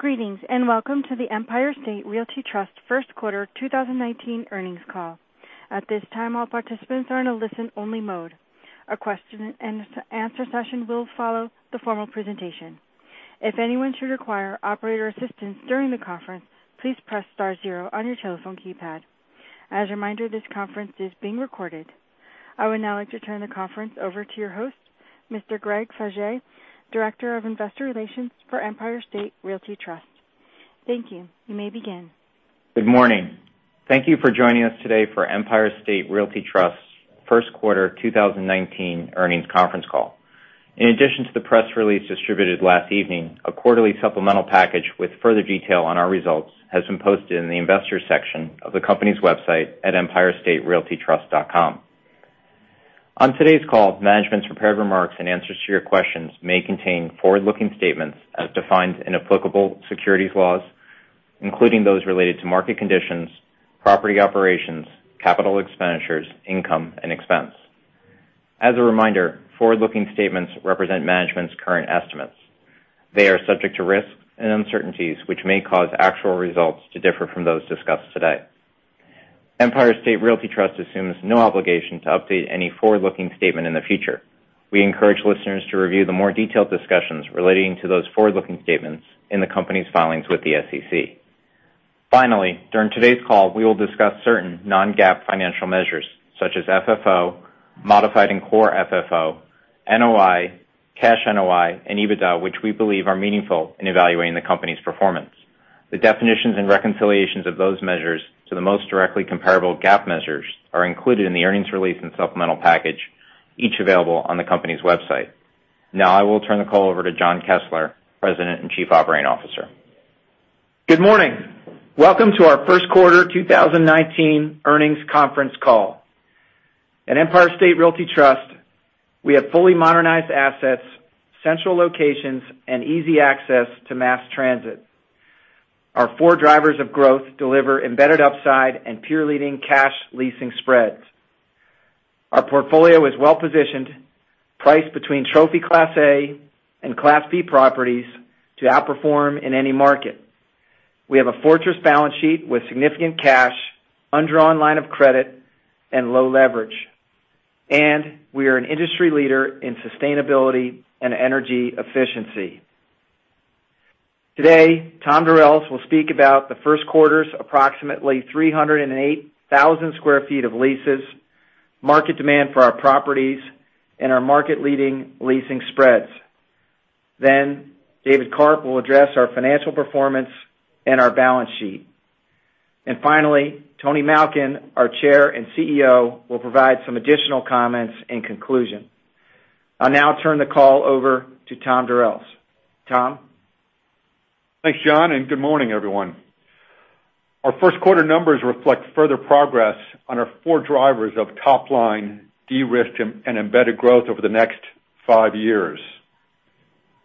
Greetings. Welcome to the Empire State Realty Trust First Quarter 2019 Earnings Call. At this time, all participants are in a listen-only mode. A question and answer session will follow the formal presentation. If anyone should require operator assistance during the conference, please press star zero on your telephone keypad. As a reminder, this conference is being recorded. I would now like to turn the conference over to your host, Mr. Greg Faje, Director of Investor Relations for Empire State Realty Trust. Thank you. You may begin. Good morning. Thank you for joining us today for Empire State Realty Trust's first quarter 2019 earnings conference call. In addition to the press release distributed last evening, a quarterly supplemental package with further detail on our results has been posted in the investors section of the company's website at empirestaterealtytrust.com. On today's call, management's prepared remarks and answers to your questions may contain forward-looking statements as defined in applicable securities laws, including those related to market conditions, property operations, capital expenditures, income, and expense. As a reminder, forward-looking statements represent management's current estimates. They are subject to risks and uncertainties, which may cause actual results to differ from those discussed today. Empire State Realty Trust assumes no obligation to update any forward-looking statement in the future. We encourage listeners to review the more detailed discussions relating to those forward-looking statements in the company's filings with the SEC. Finally, during today's call, we will discuss certain non-GAAP financial measures such as FFO, modified and Core FFO, NOI, Cash NOI, and EBITDA, which we believe are meaningful in evaluating the company's performance. The definitions and reconciliations of those measures to the most directly comparable GAAP measures are included in the earnings release and supplemental package, each available on the company's website. Now I will turn the call over to John Kessler, President and Chief Operating Officer. Good morning. Welcome to our first quarter 2019 earnings conference call. At Empire State Realty Trust, we have fully modernized assets, central locations, and easy access to mass transit. Our four drivers of growth deliver embedded upside and peer-leading Cash leasing spreads. Our portfolio is well-positioned, priced between trophy Class A and Class B properties to outperform in any market. We have a fortress balance sheet with significant cash, undrawn line of credit, and low leverage. We are an industry leader in sustainability and energy efficiency. Today, Tom Durels will speak about the first quarter's approximately 308,000 sq ft of leases, market demand for our properties, and our market-leading leasing spreads. David Karp will address our financial performance and our balance sheet. Finally, Tony Malkin, our chair and CEO, will provide some additional comments in conclusion. I'll now turn the call over to Tom Durels. Tom? Thanks, John, and good morning, everyone. Our first quarter numbers reflect further progress on our four drivers of top-line de-risk and embedded growth over the next five years.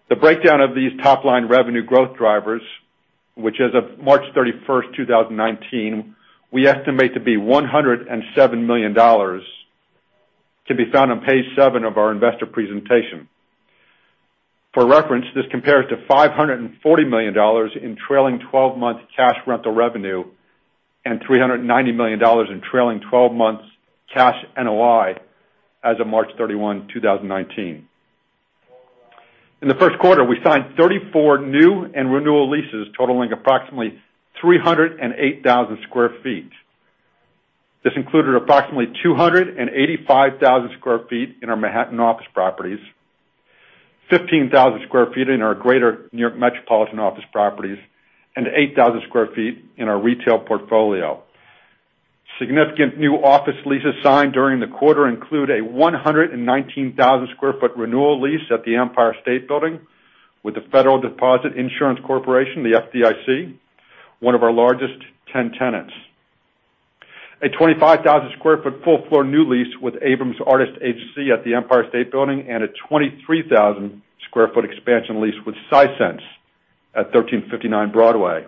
The breakdown of these top-line revenue growth drivers, which as of March 31, 2019, we estimate to be $107 million, can be found on page seven of our investor presentation. For reference, this compares to $540 million in trailing 12-month cash rental revenue and $390 million in trailing 12-month Cash NOI as of March 31, 2019. In the first quarter, we signed 34 new and renewal leases totaling approximately 308,000 sq ft. This included approximately 285,000 sq ft in our Manhattan office properties, 15,000 sq ft in our greater New York metropolitan office properties, and 8,000 sq ft in our retail portfolio. Significant new office leases signed during the quarter include a 119,000 sq ft renewal lease at the Empire State Building with the Federal Deposit Insurance Corporation, the FDIC, one of our largest 10 tenants. A 25,000 sq ft fourth-floor new lease with Abrams Artists Agency at the Empire State Building, and a 23,000 sq ft expansion lease with Sisense at 1359 Broadway.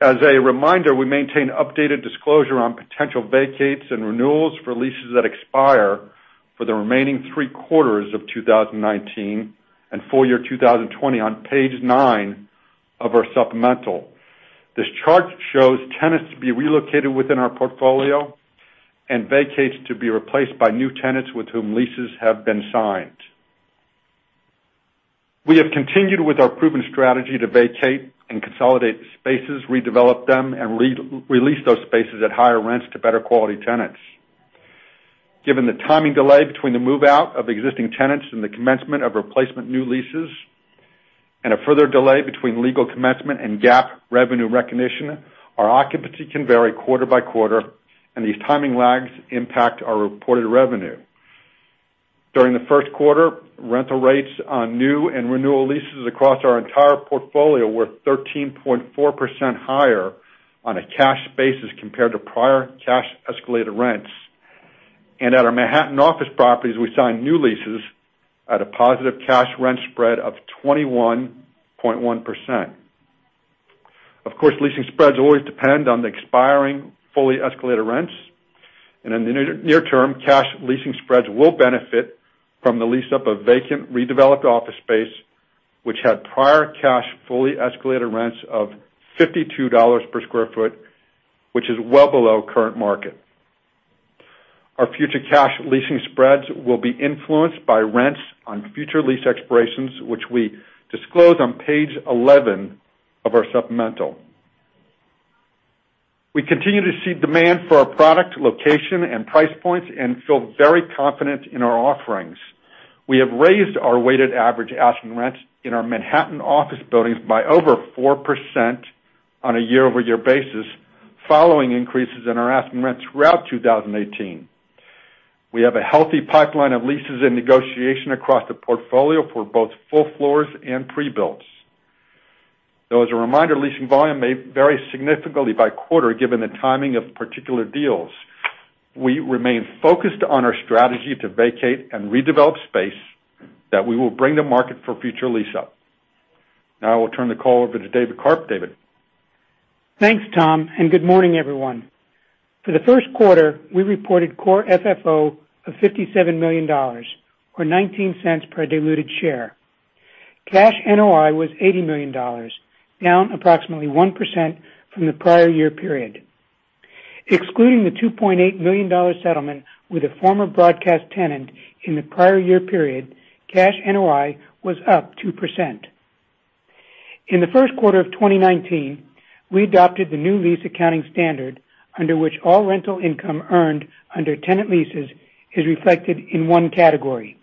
As a reminder, we maintain updated disclosure on potential vacates and renewals for leases that expire for the remaining three quarters of 2019 and full year 2020 on page nine of our supplemental. This chart shows tenants to be relocated within our portfolio and vacates to be replaced by new tenants with whom leases have been signed. We have continued with our proven strategy to vacate and consolidate spaces, redevelop them, and re-lease those spaces at higher rents to better quality tenants. Given the timing delay between the move-out of existing tenants and the commencement of replacement new leases, and a further delay between legal commencement and GAAP revenue recognition, our occupancy can vary quarter by quarter, and these timing lags impact our reported revenue. During the first quarter, rental rates on new and renewal leases across our entire portfolio were 13.4% higher on a cash basis compared to prior cash escalated rents. At our Manhattan office properties, we signed new leases at a positive cash rent spread of 21.1%. Of course, leasing spreads always depend on the expiring fully escalated rents. In the near term, cash leasing spreads will benefit from the lease-up of vacant, redeveloped office space, which had prior cash fully escalated rents of $52 per sq ft, which is well below current market. Our future cash leasing spreads will be influenced by rents on future lease expirations, which we disclose on page 11 of our supplemental. We continue to see demand for our product, location, and price points and feel very confident in our offerings. We have raised our weighted average asking rents in our Manhattan office buildings by over 4% on a year-over-year basis, following increases in our asking rents throughout 2018. We have a healthy pipeline of leases in negotiation across the portfolio for both full floors and pre-builts. Though as a reminder, leasing volume may vary significantly by quarter, given the timing of particular deals. We remain focused on our strategy to vacate and redevelop space that we will bring to market for future lease-up. Now I will turn the call over to David Karp. David? Thanks, Tom, and good morning, everyone. For the first quarter, we reported Core FFO of $57 million, or $0.19 per diluted share. Cash NOI was $80 million, down approximately 1% from the prior year period. Excluding the $2.8 million settlement with a former broadcast tenant in the prior year period, Cash NOI was up 2%. In the first quarter of 2019, we adopted the new lease accounting standard, under which all rental income earned under tenant leases is reflected in one category.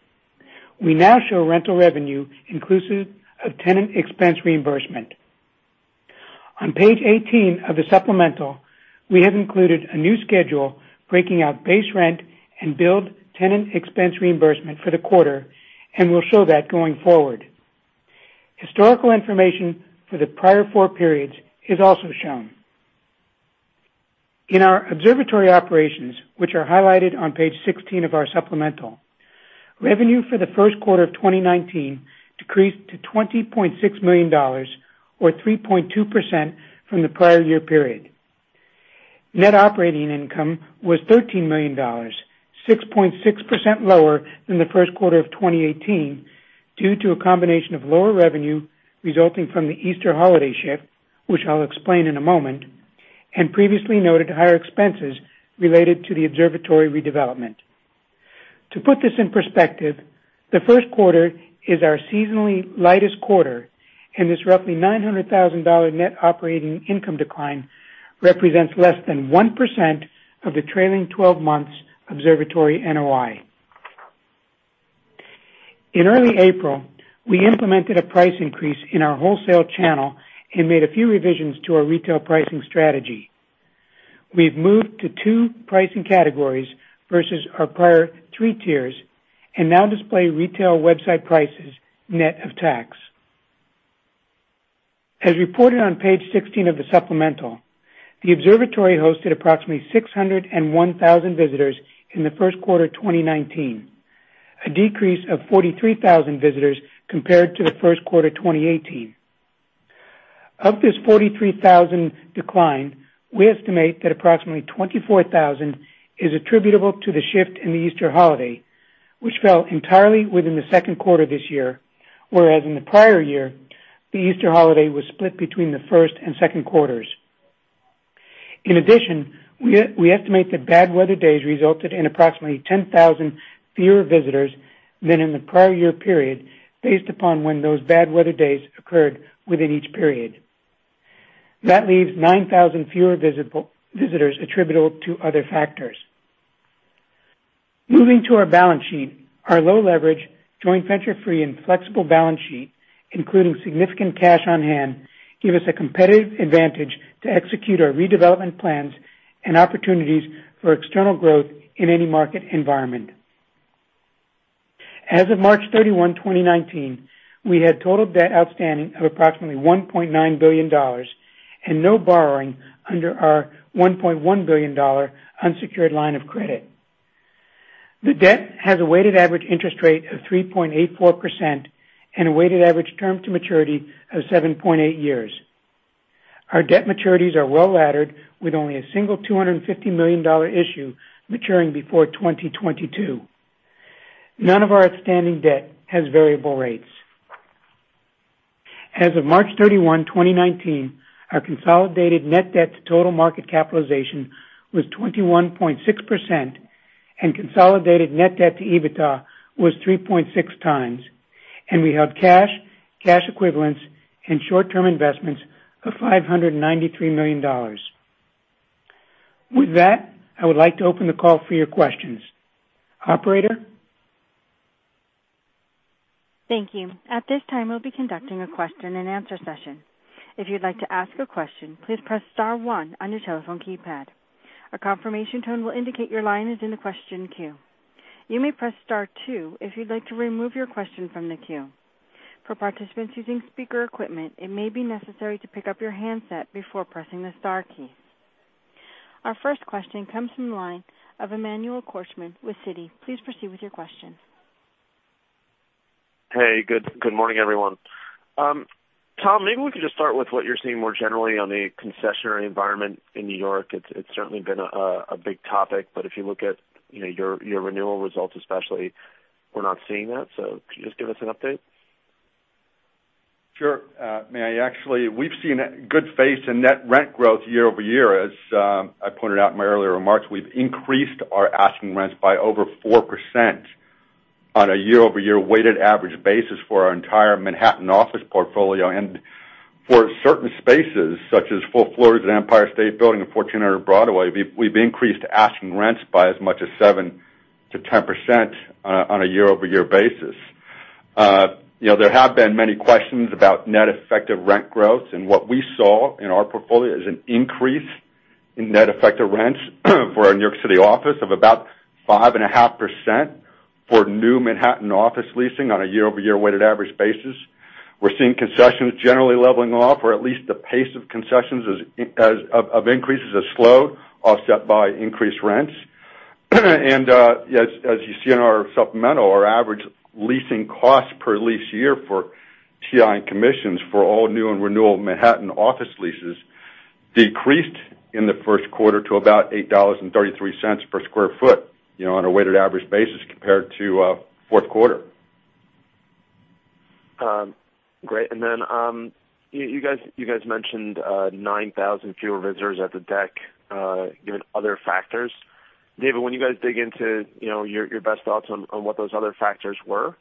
We now show rental revenue inclusive of tenant expense reimbursement. On page 18 of the supplemental, we have included a new schedule breaking out base rent and billed tenant expense reimbursement for the quarter, and we will show that going forward. Historical information for the prior four periods is also shown. In our Observatory operations, which are highlighted on page 16 of our supplemental, revenue for the first quarter of 2019 decreased to $20.6 million, or 3.2% from the prior year period. Net Operating Income was $13 million, 6.6% lower than the first quarter of 2018, due to a combination of lower revenue resulting from the Easter holiday shift, which I will explain in a moment, and previously noted higher expenses related to the Observatory redevelopment. To put this in perspective, the first quarter is our seasonally lightest quarter, and this roughly $900,000 Net Operating Income decline represents less than 1% of the trailing 12 months Observatory NOI. In early April, we implemented a price increase in our wholesale channel and made a few revisions to our retail pricing strategy. We have moved to two pricing categories versus our prior three tiers and now display retail website prices net of tax. As reported on page 16 of the supplemental, the Observatory hosted approximately 601,000 visitors in the first quarter 2019, a decrease of 43,000 visitors compared to the first quarter 2018. Of this 43,000 decline, we estimate that approximately 24,000 is attributable to the shift in the Easter holiday, which fell entirely within the second quarter this year, whereas in the prior year, the Easter holiday was split between the first and second quarters. In addition, we estimate that bad weather days resulted in approximately 10,000 fewer visitors than in the prior year period, based upon when those bad weather days occurred within each period. That leaves 9,000 fewer visitors attributable to other factors. Moving to our balance sheet, our low leverage, joint venture free and flexible balance sheet, including significant cash on hand, give us a competitive advantage to execute our redevelopment plans and opportunities for external growth in any market environment. As of March 31, 2019, we had total debt outstanding of approximately $1.9 billion and no borrowing under our $1.1 billion unsecured line of credit. The debt has a weighted average interest rate of 3.84% and a weighted average term to maturity of 7.8 years. Our debt maturities are well-laddered with only a single $250 million issue maturing before 2022. None of our outstanding debt has variable rates. As of March 31, 2019, our consolidated net debt to total market capitalization was 21.6% and consolidated net debt to EBITDA was 3.6 times, and we held cash equivalents, and short-term investments of $593 million. With that, I would like to open the call for your questions. Operator? Thank you. At this time, we'll be conducting a question-and-answer session. If you'd like to ask a question, please press star one on your telephone keypad. A confirmation tone will indicate your line is in the question queue. You may press star two if you'd like to remove your question from the queue. For participants using speaker equipment, it may be necessary to pick up your handset before pressing the star keys. Our first question comes from the line of Emmanuel Korchman with Citi. Please proceed with your question. Hey, good morning, everyone. Tom, maybe we could just start with what you're seeing more generally on the concessionary environment in N.Y. It's certainly been a big topic, but if you look at your renewal results, especially, we're not seeing that. Could you just give us an update? Sure. Manny, actually, we've seen good face in net rent growth year-over-year. As I pointed out in my earlier remarks, we've increased our asking rents by over 4% on a year-over-year weighted average basis for our entire Manhattan office portfolio. For certain spaces, such as full floors of the Empire State Building and 1400 Broadway, we've increased asking rents by as much as 7%-10% on a year-over-year basis. There have been many questions about net effective rent growth. What we saw in our portfolio is an increase in net effective rents for our New York City office of about 5.5% for new Manhattan office leasing on a year-over-year weighted average basis. We're seeing concessions generally leveling off, or at least the pace of concessions of increases has slowed, offset by increased rents. As you see in our Supplemental, our average leasing cost per lease year for TI and commissions for all new and renewal Manhattan office leases decreased in the first quarter to about $8.33 per sq ft on a weighted average basis compared to fourth quarter. Great. You guys mentioned 9,000 fewer visitors at the deck given other factors. David, when you guys dig into your best thoughts on what those other factors were,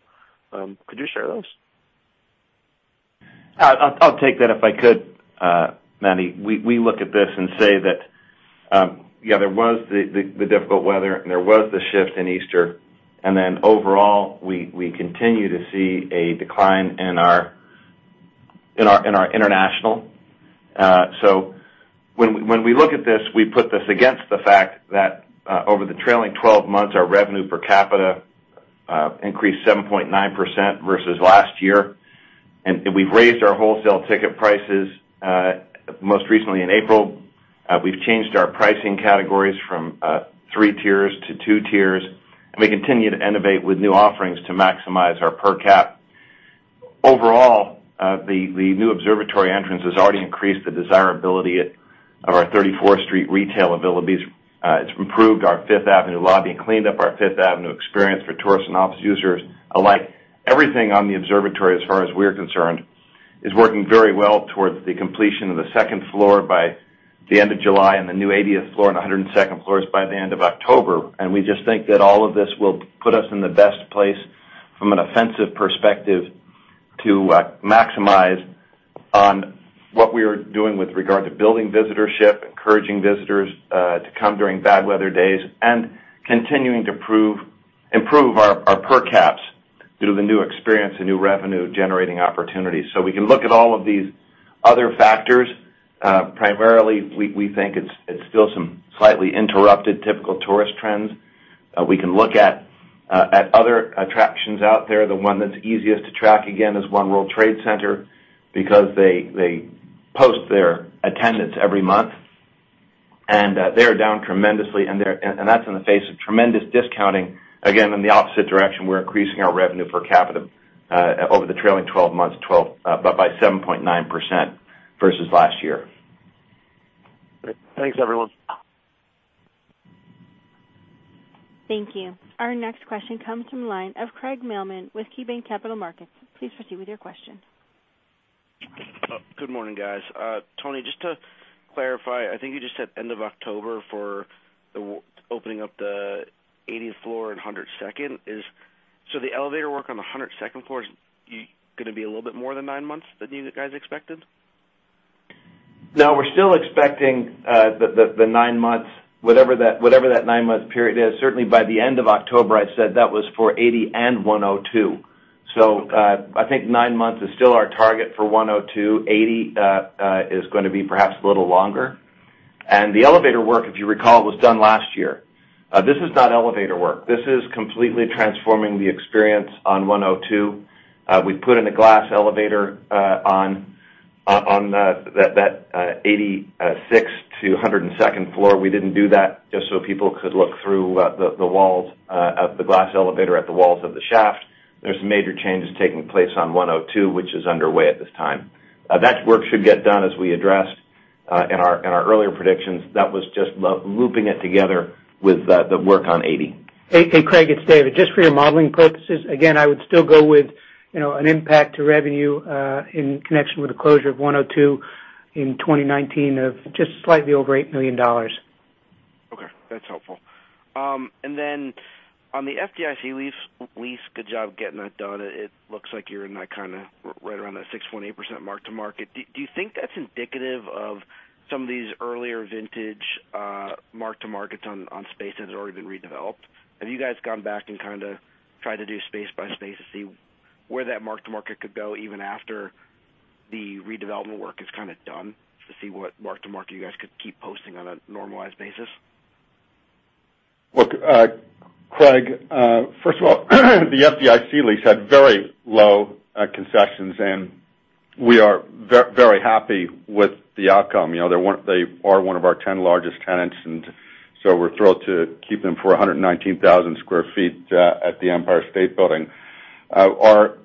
could you share those? I'll take that if I could, Manny. We look at this and say that there was the difficult weather, there was the shift in Easter, overall, we continue to see a decline in our international. When we look at this, we put this against the fact that over the trailing 12 months, our revenue per capita increased 7.9% versus last year. We've raised our wholesale ticket prices, most recently in April. We've changed our pricing categories from three tiers to two tiers, and we continue to innovate with new offerings to maximize our per cap. Overall, the new observatory entrance has already increased the desirability of our 34th Street retail availabilities. It's improved our Fifth Avenue lobby and cleaned up our Fifth Avenue experience for tourists and office users alike. Everything on the observatory, as far as we're concerned, is working very well towards the completion of the second floor by the end of July and the new 80th floor and 102nd floors by the end of October. We just think that all of this will put us in the best place from an offensive perspective to maximize on what we are doing with regard to building visitorship, encouraging visitors to come during bad weather days, and continuing to improve our per caps due to the new experience and new revenue-generating opportunities. We can look at all of these other factors. Primarily, we think it's still some slightly interrupted typical tourist trends. We can look at other attractions out there. The one that's easiest to track, again, is One World Trade Center because they post their attendance every month, and they are down tremendously, and that's in the face of tremendous discounting. Again, in the opposite direction, we're increasing our revenue per capita over the trailing 12 months by 7.9% versus last year. Great. Thanks, everyone. Thank you. Our next question comes from the line of Craig Mailman with KeyBanc Capital Markets. Please proceed with your question. Good morning, guys. Tony, just to clarify, I think you just said end of October for opening up the 80th floor and 102nd. The elevator work on the 102nd floor is going to be a little bit more than nine months than you guys expected? No, we're still expecting the nine months, whatever that nine-month period is. Certainly, by the end of October, I said that was for 80 and 102. I think nine months is still our target for 102. 80 is going to be perhaps a little longer. The elevator work, if you recall, was done last year. This is not elevator work. This is completely transforming the experience on 102. We put in a glass elevator on that 86th to 102nd floor. We didn't do that just so people could look through the walls of the glass elevator at the walls of the shaft. There's some major changes taking place on 102, which is underway at this time. That work should get done as we addressed in our earlier predictions. That was just looping it together with the work on 80. Hey, Craig, it's David. Just for your modeling purposes, again, I would still go with an impact to revenue in connection with the closure of 102 in 2019 of just slightly over $8 million. Okay. That's helpful. On the FDIC lease, good job getting that done. It looks like you're in that kind of right around that 6.8% mark to market. Do you think that's indicative of some of these earlier vintage mark-to-markets on space that has already been redeveloped? Have you guys gone back and kind of tried to do space by space to see where that mark to market could go even after the redevelopment work is kind of done to see what mark to market you guys could keep posting on a normalized basis? Look, Craig, first of all, the FDIC lease had very low concessions and We are very happy with the outcome. They are one of our 10 largest tenants, we're thrilled to keep them for 119,000 sq ft at the Empire State Building. Our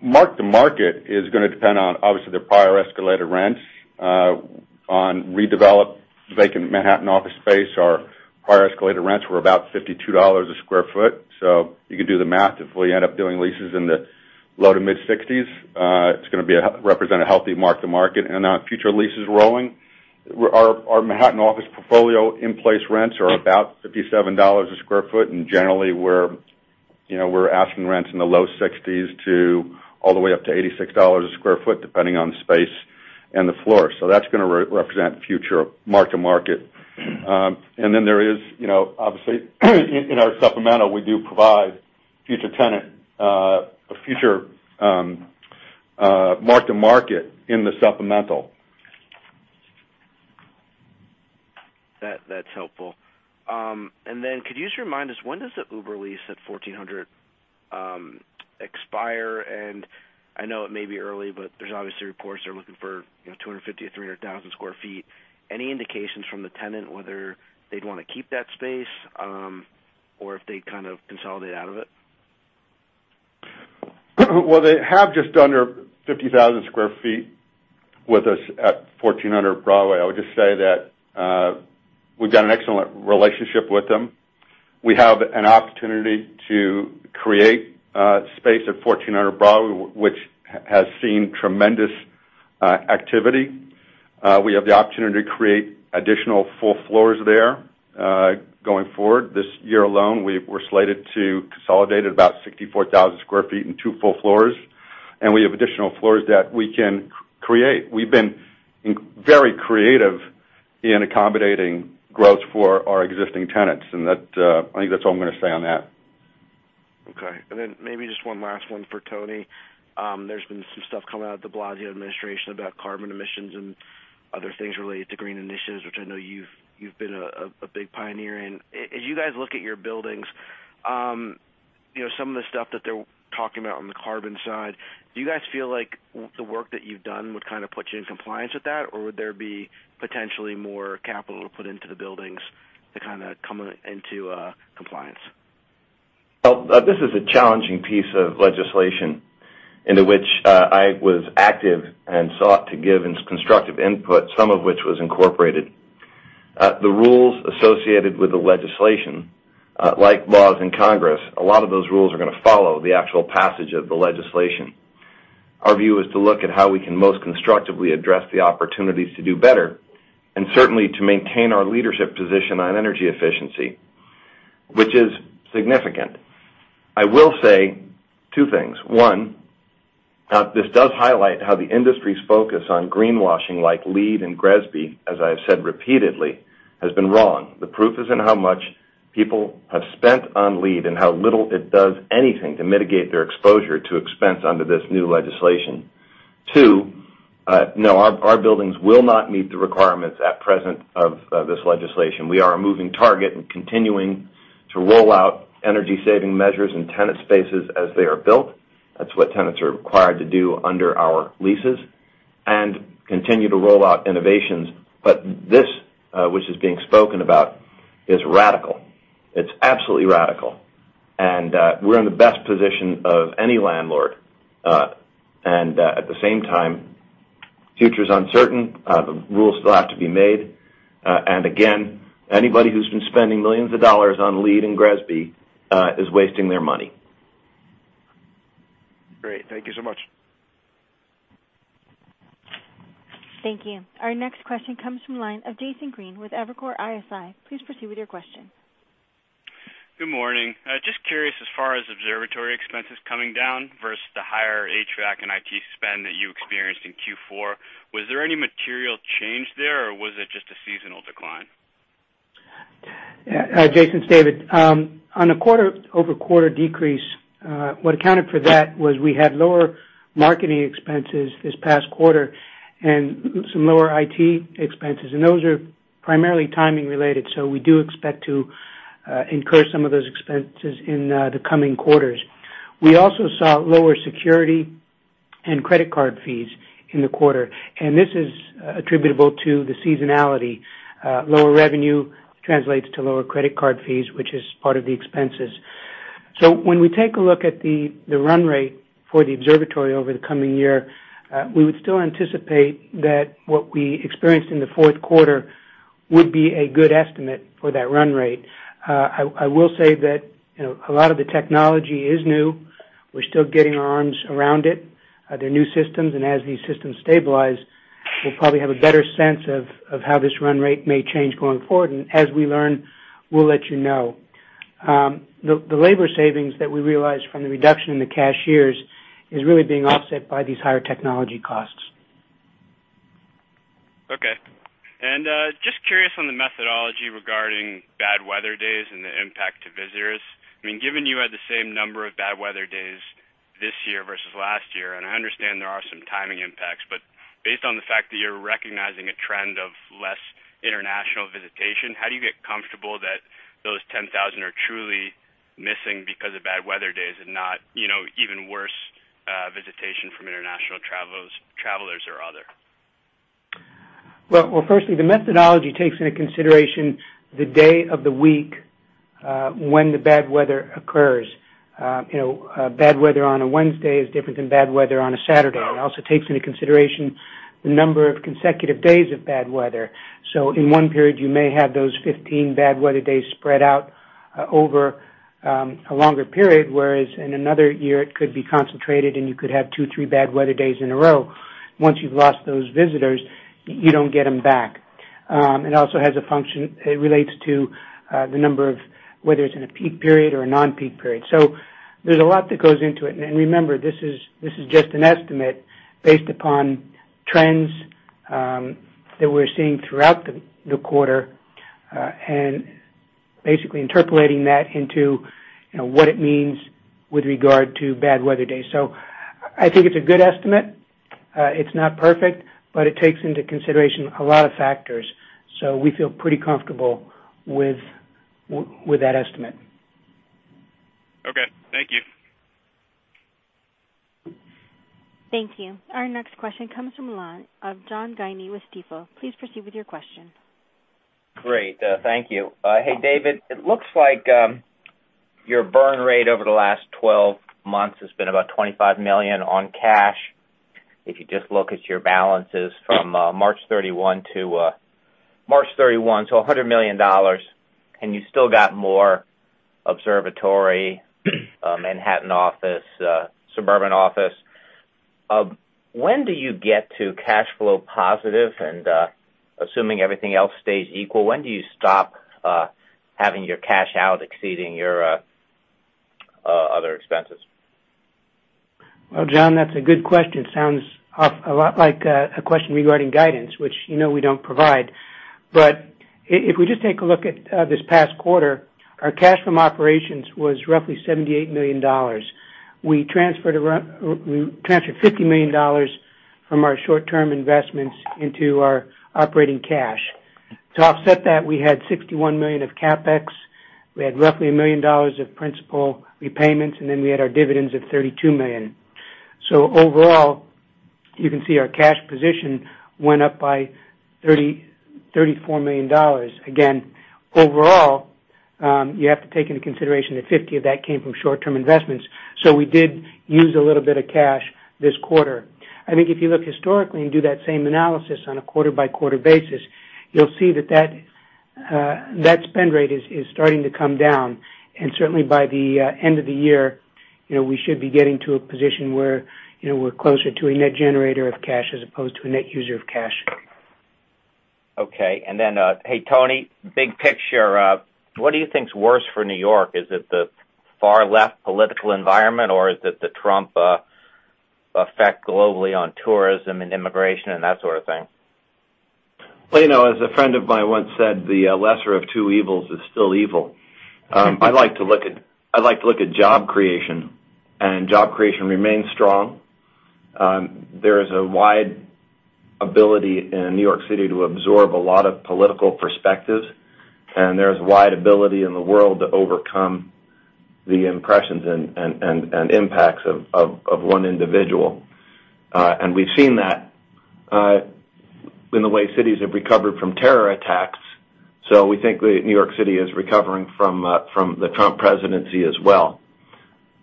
mark-to-market is going to depend on, obviously, their prior escalated rents. On redeveloped vacant Manhattan office space, our prior escalated rents were about $52 a sq ft. You can do the math. If we end up doing leases in the low to mid-$60s, it's going to represent a healthy mark-to-market. On future leases rolling, our Manhattan office portfolio in-place rents are about $57 a sq ft, generally, we're asking rents in the low $60s all the way up to $86 a sq ft, depending on the space and the floor. That's going to represent future mark-to-market. There is, obviously, in our supplemental, we do provide future mark-to-market in the supplemental. That's helpful. Could you just remind us, when does the Uber lease at 1400 expire? I know it may be early, but there's obviously reports they're looking for 250,000 to 300,000 sq ft. Any indications from the tenant whether they'd want to keep that space, or if they'd kind of consolidate out of it? Well, they have just under 50,000 sq ft with us at 1400 Broadway. I would just say that we've got an excellent relationship with them. We have an opportunity to create space at 1400 Broadway, which has seen tremendous activity. We have the opportunity to create additional full floors there going forward. This year alone, we're slated to consolidate about 64,000 sq ft in two full floors, we have additional floors that we can create. We've been very creative in accommodating growth for our existing tenants, I think that's all I'm going to say on that. Okay. Maybe just one last one for Tony. There's been some stuff coming out of the de Blasio administration about carbon emissions and other things related to green initiatives, which I know you've been a big pioneer in. As you guys look at your buildings, some of the stuff that they're talking about on the carbon side, do you guys feel like the work that you've done would kind of put you in compliance with that, or would there be potentially more capital to put into the buildings to kind of come into compliance? Well, this is a challenging piece of legislation into which I was active and sought to give constructive input, some of which was incorporated. The rules associated with the legislation, like laws in Congress, a lot of those rules are going to follow the actual passage of the legislation. Our view is to look at how we can most constructively address the opportunities to do better, and certainly to maintain our leadership position on energy efficiency, which is significant. I will say two things. One, this does highlight how the industry's focus on greenwashing like LEED and GRESB, as I have said repeatedly, has been wrong. The proof is in how much people have spent on LEED and how little it does anything to mitigate their exposure to expense under this new legislation. Two, no, our buildings will not meet the requirements at present of this legislation. We are a moving target and continuing to roll out energy-saving measures in tenant spaces as they are built. That's what tenants are required to do under our leases, and continue to roll out innovations. This, which is being spoken about, is radical. It's absolutely radical, and we're in the best position of any landlord. At the same time, the future's uncertain. The rules still have to be made. Again, anybody who's been spending millions of dollars on LEED and GRESB is wasting their money. Great. Thank you so much. Thank you. Our next question comes from the line of Jason Green with Evercore ISI. Please proceed with your question. Good morning. Just curious, as far as Observatory expenses coming down versus the higher HVAC and IT spend that you experienced in Q4, was there any material change there, or was it just a seasonal decline? Jason, it's David. On a quarter-over-quarter decrease, what accounted for that was we had lower marketing expenses this past quarter and some lower IT expenses. Those are primarily timing related. We do expect to incur some of those expenses in the coming quarters. We also saw lower security and credit card fees in the quarter. This is attributable to the seasonality. Lower revenue translates to lower credit card fees, which is part of the expenses. When we take a look at the run rate for the Observatory over the coming year, we would still anticipate that what we experienced in the fourth quarter would be a good estimate for that run rate. I will say that a lot of the technology is new. We're still getting our arms around it. They're new systems. As these systems stabilize, we'll probably have a better sense of how this run rate may change going forward. As we learn, we'll let you know. The labor savings that we realized from the reduction in the cashiers is really being offset by these higher technology costs. Okay. Just curious on the methodology regarding bad weather days and the impact to visitors. Given you had the same number of bad weather days this year versus last year, I understand there are some timing impacts. Based on the fact that you're recognizing a trend of less international visitation, how do you get comfortable that those 10,000 are truly missing because of bad weather days and not even worse visitation from international travelers or other? Firstly, the methodology takes into consideration the day of the week when the bad weather occurs. Bad weather on a Wednesday is different than bad weather on a Saturday. It also takes into consideration the number of consecutive days of bad weather. In one period, you may have those 15 bad weather days spread out over a longer period, whereas in another year it could be concentrated, and you could have two, three bad weather days in a row. Once you've lost those visitors, you don't get them back. It also has a function, it relates to the number of whether it's in a peak period or a non-peak period. There's a lot that goes into it. Remember, this is just an estimate based upon trends that we're seeing throughout the quarter, and basically interpolating that into what it means with regard to bad weather days. I think it's a good estimate. It's not perfect. It takes into consideration a lot of factors. We feel pretty comfortable with that estimate. Okay. Thank you. Thank you. Our next question comes from the line of John Guinee with Stifel. Please proceed with your question. Great. Thank you. Hey, David. It looks like your burn rate over the last 12 months has been about $25 million on cash. If you just look at your balances from March 31 to $100 million, and you still got more observatory, Manhattan office, suburban office. When do you get to cash flow positive and, assuming everything else stays equal, when do you stop having your cash out exceeding your other expenses? Well, John, that's a good question. Sounds a lot like a question regarding guidance, which you know we don't provide. If we just take a look at this past quarter, our cash from operations was roughly $78 million. We transferred $50 million from our short-term investments into our operating cash. To offset that, we had $61 million of CapEx. We had roughly $1 million of principal repayments, and then we had our dividends of $32 million. Overall, you can see our cash position went up by $34 million. Again, overall, you have to take into consideration that $50 of that came from short-term investments. We did use a little bit of cash this quarter. I think if you look historically and do that same analysis on a quarter-by-quarter basis, you'll see that spend rate is starting to come down. Certainly, by the end of the year, we should be getting to a position where we're closer to a net generator of cash as opposed to a net user of cash. Okay. Then, hey, Tony, big picture, what do you think is worse for New York? Is it the far-left political environment, or is it the Trump effect globally on tourism and immigration and that sort of thing? As a friend of mine once said, the lesser of two evils is still evil. I like to look at job creation, and job creation remains strong. There is a wide ability in New York City to absorb a lot of political perspectives, there's wide ability in the world to overcome the impressions and impacts of one individual. We've seen that in the way cities have recovered from terror attacks. We think New York City is recovering from the Trump presidency as well,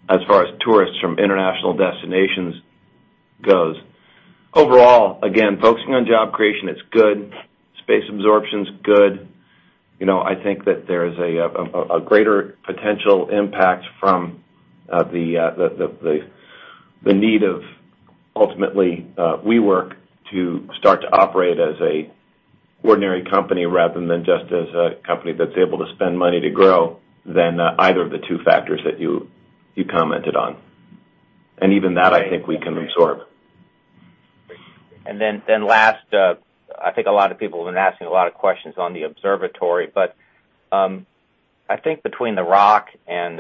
as far as tourists from international destinations goes. Overall, again, focusing on job creation, it's good. Space absorption's good. I think that there's a greater potential impact from the need of, ultimately, WeWork to start to operate as a ordinary company rather than just as a company that's able to spend money to grow than either of the two factors that you commented on. Even that, I think we can absorb. Last, I think a lot of people have been asking a lot of questions on the observatory, I think between The Rock and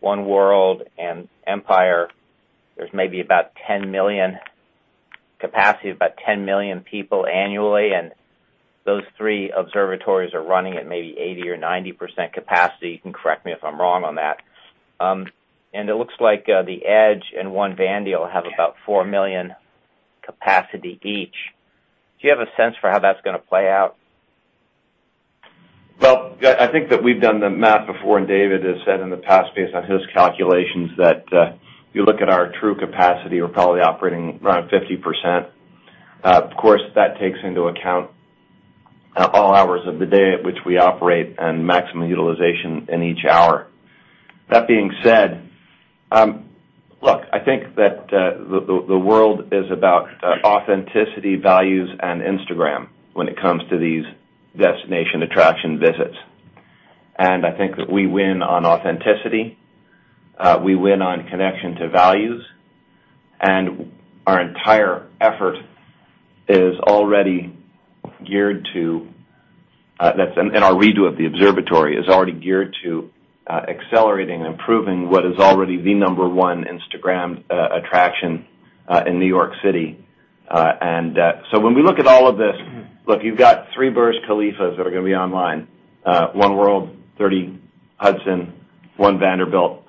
One World and Empire, there's maybe about capacity of 10 million people annually, and those three observatories are running at maybe 80% or 90% capacity. You can correct me if I'm wrong on that. It looks like The Edge and One Vanderbilt have about 4 million capacity each. Do you have a sense for how that's going to play out? I think that we've done the math before, David has said in the past, based on his calculations, that if you look at our true capacity, we're probably operating around 50%. Of course, that takes into account all hours of the day at which we operate and maximum utilization in each hour. That being said, look, I think that the world is about authenticity, values, Instagram when it comes to these destination attraction visits. I think that we win on authenticity. We win on connection to values, our redo of the observatory is already geared to accelerating and improving what is already the number one Instagrammed attraction in New York City. When we look at all of this, look, you've got three Burj Khalifas that are going to be online. One World, 30 Hudson, One Vanderbilt.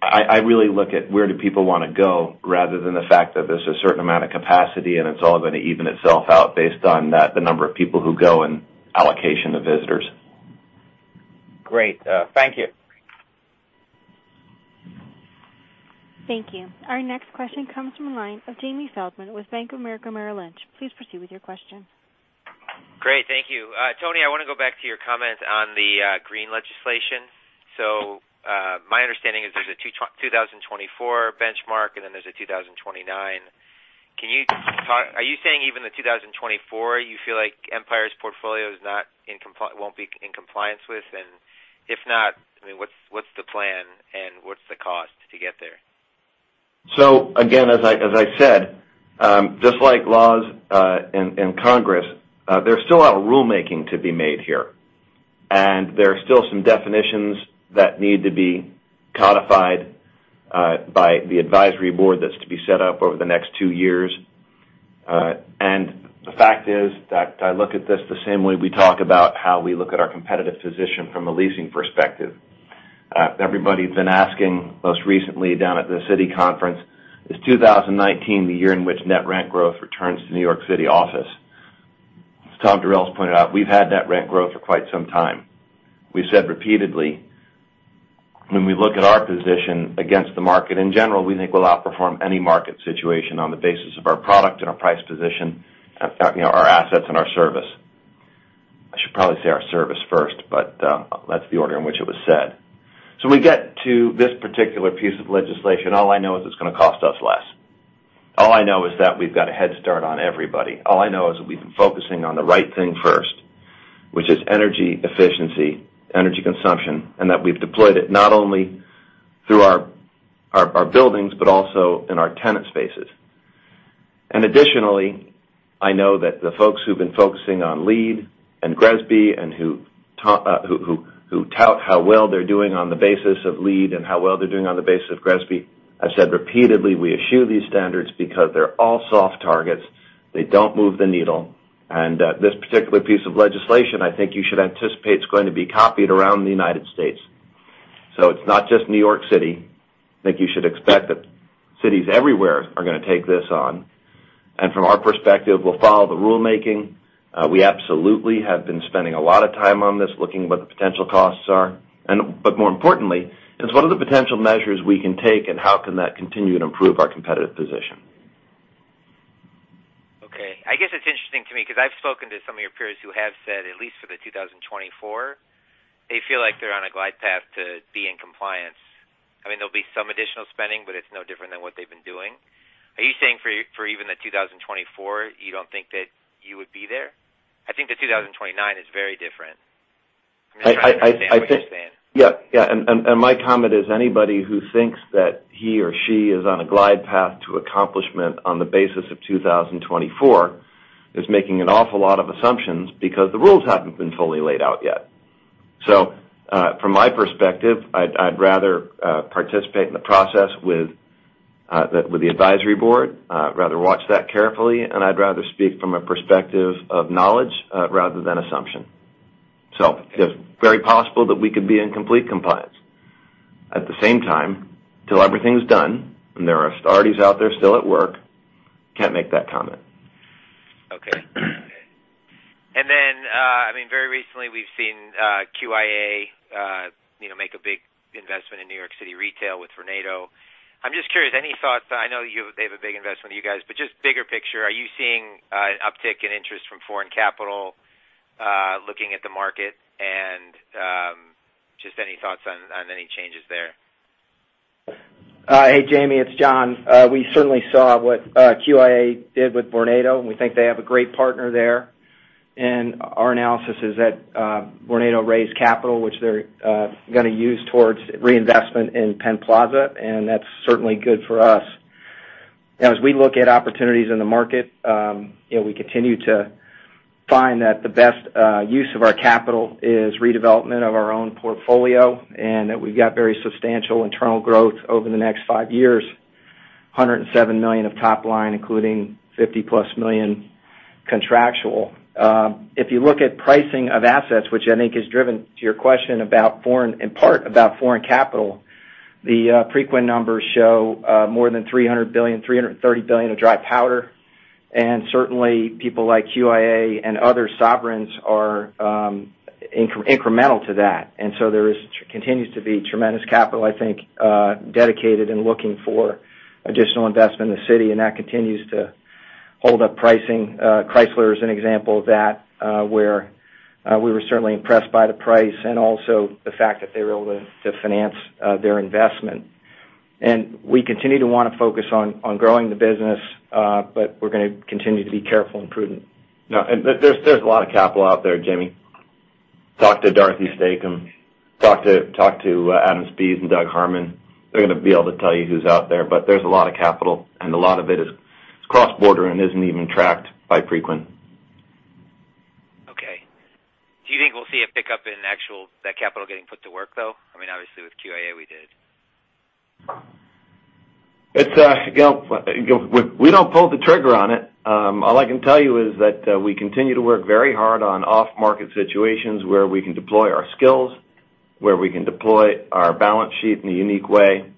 I really look at where do people want to go rather than the fact that there's a certain amount of capacity and it's all going to even itself out based on the number of people who go and allocation of visitors. Great. Thank you. Thank you. Our next question comes from the line of Jamie Feldman with Bank of America Merrill Lynch. Please proceed with your question. Great. Thank you. Tony, I want to go back to your comment on the green legislation. My understanding is there's a 2024 benchmark, and then there's a 2029. Are you saying even the 2024, you feel like Empire's portfolio won't be in compliance with? And if not, what's the plan, and what's the cost to get there? As I said, just like laws in Congress, there's still a lot of rulemaking to be made here. There are still some definitions that need to be codified by the advisory board that's to be set up over the next two years. The fact is that I look at this the same way we talk about how we look at our competitive position from a leasing perspective. Everybody's been asking, most recently down at the Citi conference, is 2019 the year in which net rent growth returns to New York City office? As Thomas Durels pointed out, we've had net rent growth for quite some time. We've said repeatedly, when we look at our position against the market in general, we think we'll outperform any market situation on the basis of our product and our price position, our assets, and our service. I should probably say our service first, that's the order in which it was said. We get to this particular piece of legislation, all I know is it's going to cost us less. All I know is that we've got a head start on everybody. All I know is that we've been focusing on the right thing first, which is energy efficiency, energy consumption, and that we've deployed it not only through our buildings, but also in our tenant spaces. Additionally, I know that the folks who've been focusing on LEED and GRESB, and who tout how well they're doing on the basis of LEED and how well they're doing on the basis of GRESB, I've said repeatedly, we eschew these standards because they're all soft targets. They don't move the needle. This particular piece of legislation, I think you should anticipate it's going to be copied around the United States. It's not just New York City. I think you should expect that cities everywhere are going to take this on. From our perspective, we'll follow the rulemaking. We absolutely have been spending a lot of time on this, looking at what the potential costs are. More importantly, it's what are the potential measures we can take, and how can that continue to improve our competitive position? Okay. I guess it's interesting to me because I've spoken to some of your peers who have said, at least for the 2024, they feel like they're on a glide path to be in compliance. There'll be some additional spending, it's no different than what they've been doing. Are you saying for even the 2024, you don't think that you would be there? I think the 2029 is very different. I'm just trying to understand what you're saying. Yeah. My comment is anybody who thinks that he or she is on a glide path to accomplishment on the basis of 2024 is making an awful lot of assumptions because the rules haven't been fully laid out yet. From my perspective, I'd rather participate in the process with the advisory board, rather watch that carefully, and I'd rather speak from a perspective of knowledge, rather than assumption. It's very possible that we could be in complete compliance. At the same time, till everything's done, and there are authorities out there still at work, can't make that comment. Okay. Very recently, we've seen QIA make a big investment in New York City retail with Vornado. I'm just curious, any thoughts? I know they have a big investment with you guys, but just bigger picture, are you seeing an uptick in interest from foreign capital, looking at the market, and just any thoughts on any changes there? Hey, Jamie, it's John. We certainly saw what QIA did with Vornado, and we think they have a great partner there. Our analysis is that Vornado raised capital, which they're going to use towards reinvestment in Penn Plaza, and that's certainly good for us. As we look at opportunities in the market, we continue to find that the best use of our capital is redevelopment of our own portfolio, and that we've got very substantial internal growth over the next five years, $107 million of top line, including $50-plus million contractual. If you look at pricing of assets, which I think is driven, to your question, in part about foreign capital, the Preqin numbers show more than $300 billion, $330 billion of dry powder. Certainly, people like QIA and other sovereigns are incremental to that. There continues to be tremendous capital, I think, dedicated and looking for additional investment in the city, and that continues to hold up pricing. Chrysler is an example of that, where we were certainly impressed by the price and also the fact that they were able to finance their investment. We continue to want to focus on growing the business, but we're going to continue to be careful and prudent. There's a lot of capital out there, Jamie. Talk to Darcy Stacom. Talk to Adam Spies and Doug Harmon. They're going to be able to tell you who's out there's a lot of capital and a lot of it is cross-border and isn't even tracked by Preqin. Do you think we'll see a pickup in that capital getting put to work, though? Obviously, with QIA, we did. We don't pull the trigger on it. All I can tell you is that we continue to work very hard on off-market situations where we can deploy our skills, where we can deploy our balance sheet in a unique way,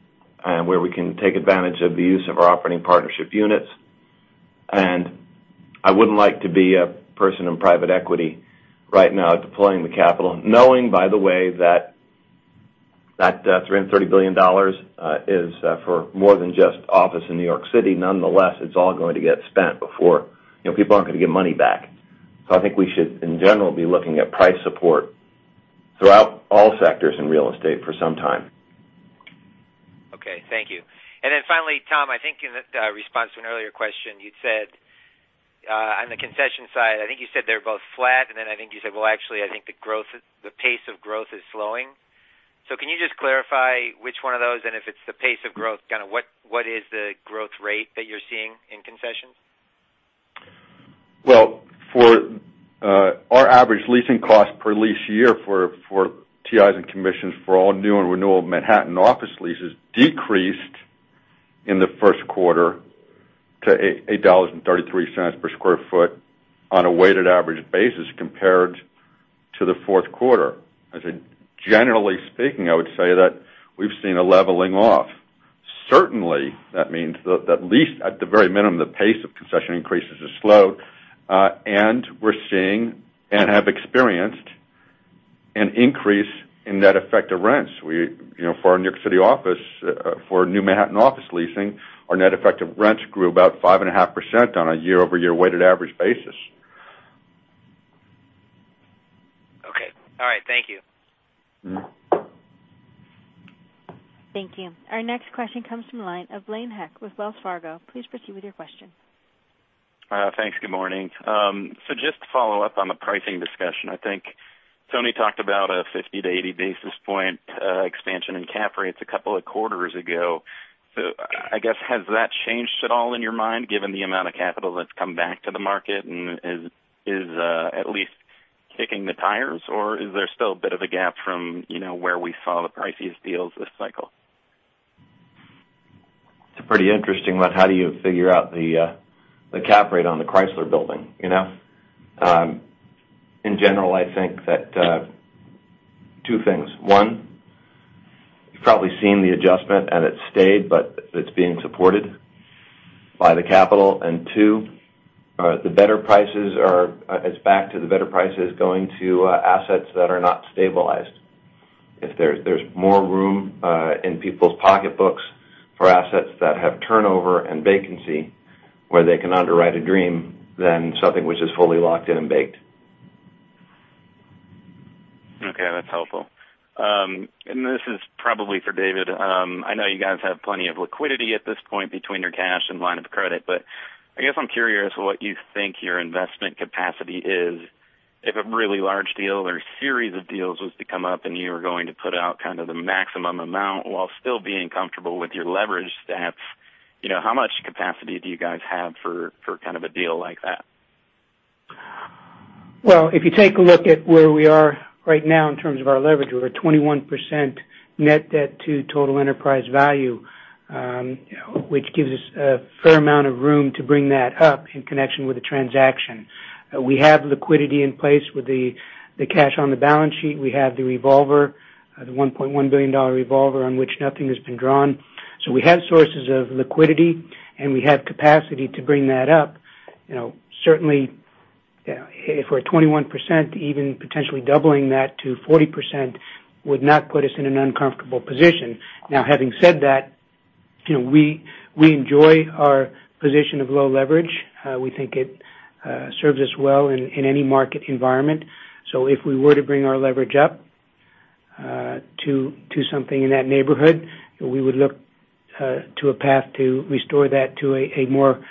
and where we can take advantage of the use of our operating partnership units. I wouldn't like to be a person in private equity right now deploying the capital, knowing, by the way, that $330 billion is for more than just office in New York City. It's all going to get spent. People aren't going to give money back. I think we should, in general, be looking at price support throughout all sectors in real estate for some time. Thank you. Finally, Tom, I think in response to an earlier question, you'd said on the concession side, I think you said they're both flat, and then I think you said, "Well, actually, I think the pace of growth is slowing." Can you just clarify which one of those? If it's the pace of growth, what is the growth rate that you're seeing in concessions? Well, our average leasing cost per lease year for TIs and commissions for all new and renewal Manhattan office leases decreased in the first quarter to $8.33 per square foot on a weighted average basis compared to the fourth quarter. As in, generally speaking, I would say that we've seen a leveling off. Certainly, that means that at least at the very minimum, the pace of concession increases has slowed. We're seeing and have experienced an increase in net effective rents. For our New York City office, for new Manhattan office leasing, our net effective rents grew about 5.5% on a year-over-year weighted average basis. Okay. All right. Thank you. Thank you. Our next question comes from the line of Blaine Heck with Wells Fargo. Please proceed with your question. Thanks. Good morning. Just to follow up on the pricing discussion, I think Tony talked about a 50 to 80 basis point expansion in cap rates a couple of quarters ago. I guess, has that changed at all in your mind, given the amount of capital that's come back to the market, and is at least kicking the tires, or is there still a bit of a gap from where we saw the priciest deals this cycle? It's a pretty interesting one. How do you figure out the cap rate on the Chrysler Building? In general, I think that two things. One, you've probably seen the adjustment and it's stayed, but it's being supported by the capital. Two, it's back to the better prices going to assets that are not stabilized. If there's more room in people's pocketbooks for assets that have turnover and vacancy, where they can underwrite a dream, than something which is fully locked in and baked. Okay, that's helpful. This is probably for David. I know you guys have plenty of liquidity at this point between your cash and line of credit, but I guess I'm curious what you think your investment capacity is if a really large deal or series of deals was to come up and you were going to put out kind of the maximum amount while still being comfortable with your leverage stats. How much capacity do you guys have for a deal like that? If you take a look at where we are right now in terms of our leverage, we're at 21% net debt to total enterprise value, which gives us a fair amount of room to bring that up in connection with a transaction. We have liquidity in place with the cash on the balance sheet. We have the revolver, the $1.1 billion revolver on which nothing has been drawn. We have sources of liquidity, and we have capacity to bring that up. Certainly, if we're at 21%, even potentially doubling that to 40% would not put us in an uncomfortable position. Now, having said that, we enjoy our position of low leverage. We think it serves us well in any market environment. If we were to bring our leverage up to something in that neighborhood, we would look to a path to restore that to a more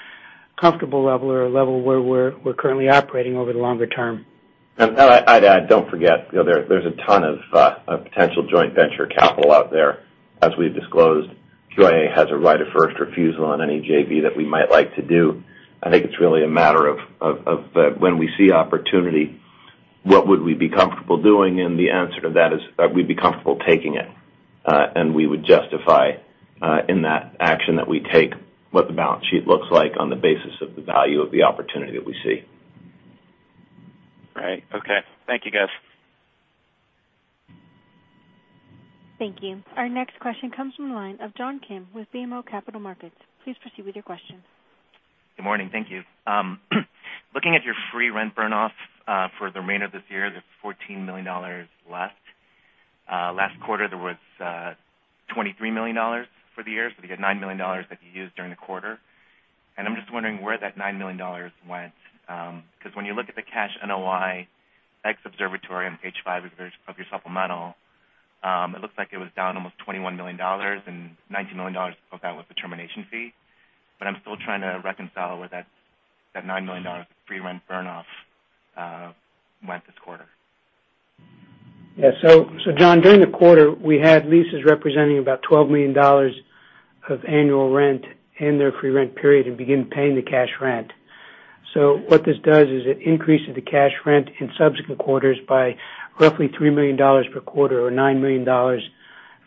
comfortable level or a level where we're currently operating over the longer term. I'd add, don't forget, there's a ton of potential joint venture capital out there. As we've disclosed, QIA has a right of first refusal on any JV that we might like to do. I think it's really a matter of when we see opportunity, what would we be comfortable doing? The answer to that is that we'd be comfortable taking it. We would justify in that action that we take what the balance sheet looks like on the basis of the value of the opportunity that we see. Right. Okay. Thank you, guys. Thank you. Our next question comes from the line of John Kim with BMO Capital Markets. Please proceed with your question. Good morning. Thank you. Looking at your free rent burn-off for the remainder of this year, there is $14 million left. Last quarter, there was $23 million for the year. You got $9 million that you used during the quarter. I am just wondering where that $9 million went. When you look at the cash NOI ex-Observatory on Page five of your supplemental, it looks like it was down almost $21 million. $19 million of that was the termination fee. I am still trying to reconcile where that $9 million free rent burn-off went this quarter. Yeah. John, during the quarter, we had leases representing about $12 million of annual rent in their free rent period and begin paying the cash rent. What this does is it increases the cash rent in subsequent quarters by roughly $3 million per quarter, or $9 million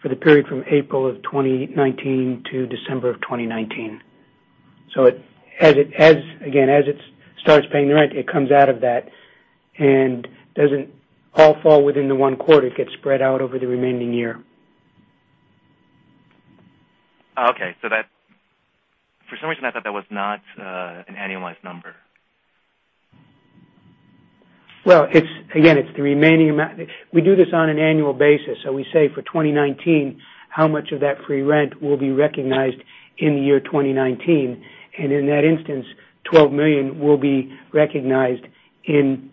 for the period from April of 2019 to December of 2019. Again, as it starts paying the rent, it comes out of that and does not all fall within the one quarter. It gets spread out over the remaining year. Oh, okay. For some reason, I thought that was not an annualized number. Well, again, it is the remaining amount. We do this on an annual basis. We say for 2019, how much of that free rent will be recognized in the year 2019. In that instance, $12 million will be recognized in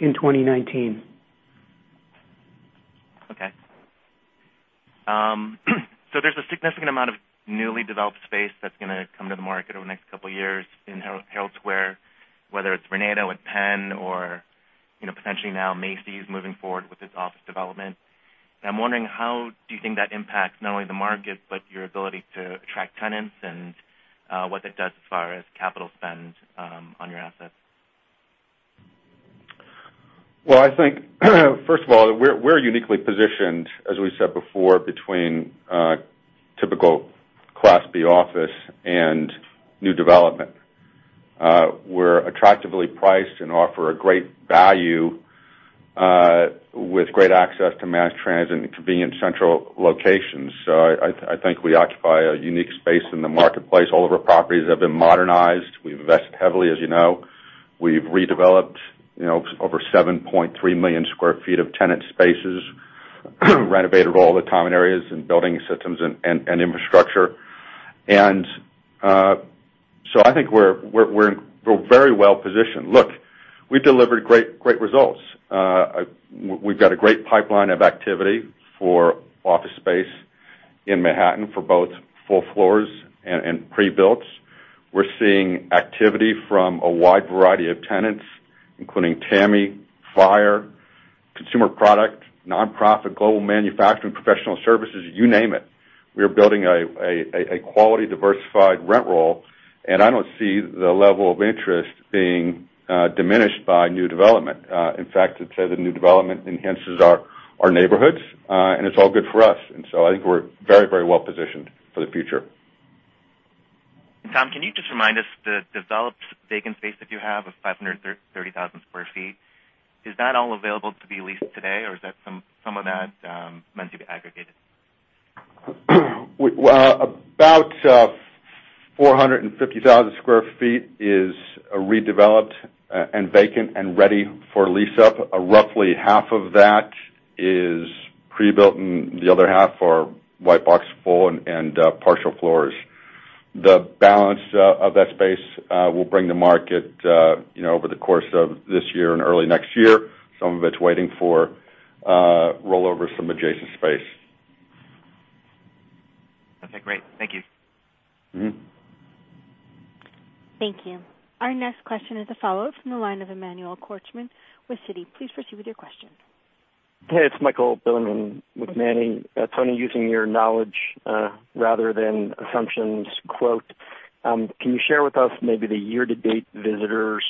2019. There's a significant amount of newly developed space that's going to come to the market over the next couple of years in Herald Square, whether it's Vornado at Penn or potentially now Macy's moving forward with its office development. I'm wondering, how do you think that impacts not only the market, but your ability to attract tenants and what that does as far as capital spend on your assets? Well, I think, first of all, we're uniquely positioned, as we said before, between a typical Class B office and new development. We're attractively priced and offer a great value with great access to mass transit and convenient central locations. I think we occupy a unique space in the marketplace. All of our properties have been modernized. We've invested heavily as you know. We've redeveloped over 7.3 million sq ft of tenant spaces, renovated all the common areas and building systems and infrastructure. I think we're very well positioned. Look, we delivered great results. We've got a great pipeline of activity for office space in Manhattan for both full floors and pre-builts. We're seeing activity from a wide variety of tenants, including TAMI, FIRE, consumer product, nonprofit, global manufacturing, professional services, you name it. We are building a quality diversified rent roll, I don't see the level of interest being diminished by new development. In fact, I'd say the new development enhances our neighborhoods, it's all good for us. I think we're very well positioned for the future. Tom, can you just remind us, the developed vacant space that you have of 530,000 sq ft, is that all available to be leased today, or is some of that meant to be aggregated? About 450,000 sq ft is redeveloped and vacant and ready for lease-up. Roughly half of that is pre-built and the other half are white box full and partial floors. The balance of that space we'll bring to market over the course of this year and early next year. Some of it's waiting for rollover some adjacent space. Okay, great. Thank you. Thank you. Our next question is a follow-up from the line of Emmanuel Korchman with Citi. Please proceed with your question. Hey, it's Michael calling in with Manny. Tony, using your knowledge rather than assumptions, quote, can you share with us maybe the year-to-date visitors,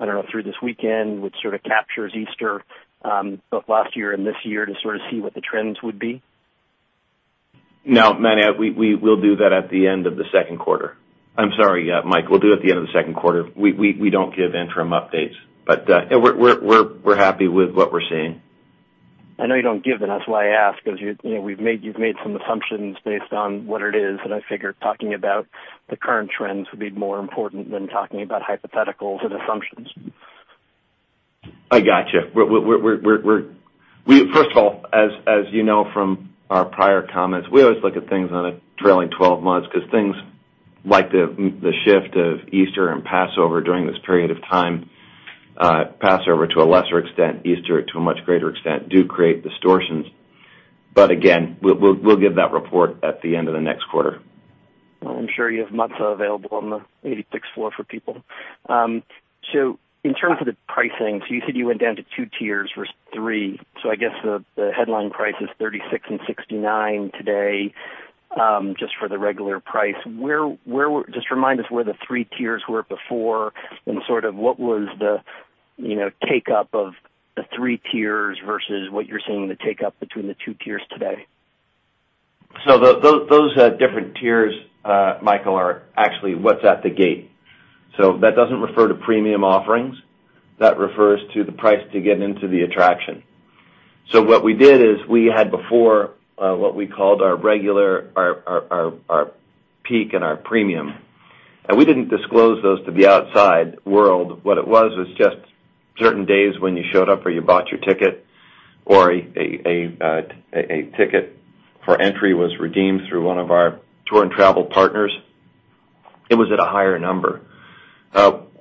I don't know, through this weekend, which sort of captures Easter, both last year and this year, to sort of see what the trends would be? No, Manny, we'll do that at the end of the second quarter. I'm sorry, Michael, we'll do it at the end of the second quarter. We don't give interim updates. We're happy with what we're seeing. I know you don't give, that's why I ask, because you've made some assumptions based on what it is, I figured talking about the current trends would be more important than talking about hypotheticals and assumptions. I got you. First of all, as you know from our prior comments, we always look at things on a trailing 12 months because things like the shift of Easter and Passover during this period of time, Passover to a lesser extent, Easter to a much greater extent, do create distortions. Again, we'll give that report at the end of the next quarter. Well, I'm sure you have matzah available on the 86th floor for people. In terms of the pricing, you said you went down to two tiers versus three. I guess the headline price is $36 and $69 today, just for the regular price. Just remind us where the two tiers were before, and sort of what was the take-up of the three tiers versus what you're seeing the take-up between the two tiers today? Those different tiers, Michael, are actually what's at the gate. That doesn't refer to premium offerings. That refers to the price to get into the attraction. What we did is we had before what we called our regular, our peak, and our premium. We didn't disclose those to the outside world. What it was just certain days when you showed up or you bought your ticket, or a ticket for entry was redeemed through one of our tour and travel partners It was at a higher number.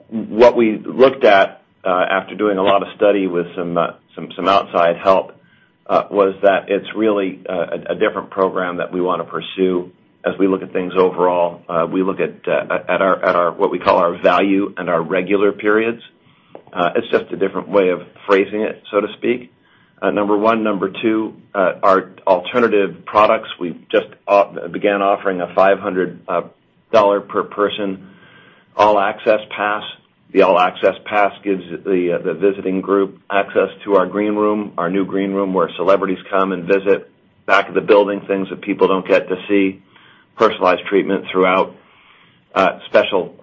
What we looked at after doing a lot of study with some outside help, was that it's really a different program that we want to pursue as we look at things overall. We look at what we call our value and our regular periods. It's just a different way of phrasing it, so to speak. Number one. Number two, our alternative products, we just began offering a $500 per person all-access pass. The all-access pass gives the visiting group access to our new green room, where celebrities come and visit, back of the building, things that people don't get to see, personalized treatment throughout,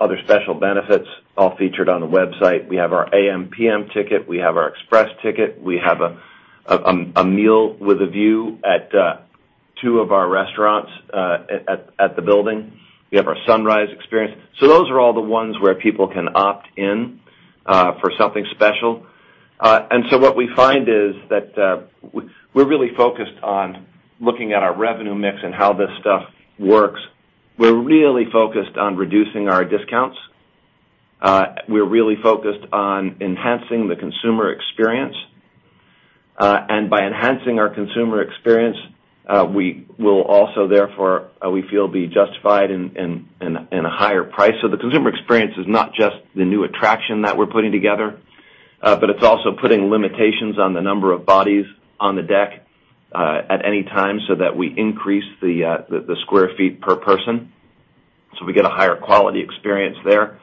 other special benefits, all featured on the website. We have our AM/PM ticket. We have our express ticket. We have a meal with a view at two of our restaurants at the building. We have our sunrise experience. Those are all the ones where people can opt in for something special. What we find is that we're really focused on looking at our revenue mix and how this stuff works. We're really focused on reducing our discounts. We're really focused on enhancing the consumer experience. By enhancing our consumer experience, we will also, therefore, we feel, be justified in a higher price. The consumer experience is not just the new attraction that we're putting together, but it's also putting limitations on the number of bodies on the deck at any time, so that we increase the sq ft per person, so we get a higher quality experience there.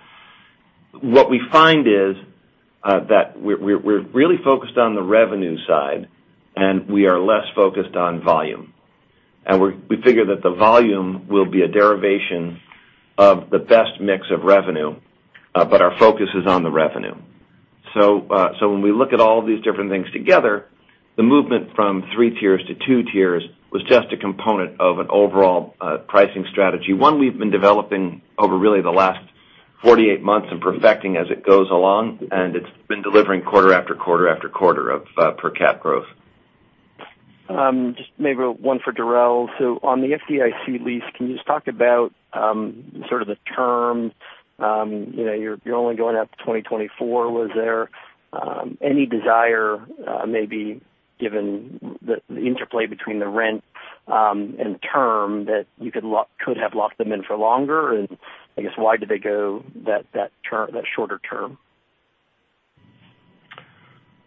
What we find is that we're really focused on the revenue side, and we are less focused on volume. We figure that the volume will be a derivation of the best mix of revenue, but our focus is on the revenue. When we look at all of these different things together, the movement from three tiers to two tiers was just a component of an overall pricing strategy. One we've been developing over really the last 48 months and perfecting as it goes along, and it's been delivering quarter after quarter after quarter of per cap growth. Just maybe one for Durels. On the FDIC lease, can you just talk about sort of the term? You're only going out to 2024. Was there any desire, maybe given the interplay between the rent and term, that you could have locked them in for longer, and I guess, why did they go that shorter term?